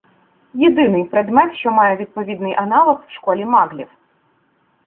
Єдиний предмет, що має відповідний аналог в школі маґлів.